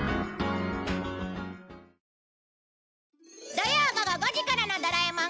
土曜午後５時からの『ドラえもん』